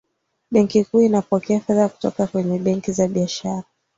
benki kuu inapokea fedha kutoka kwenye benki za biashara